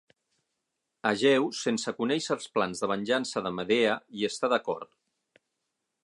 Egeu, sense conèixer els plans de venjança de Medea, hi està d'acord.